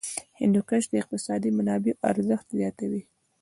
هندوکش د اقتصادي منابعو ارزښت زیاتوي.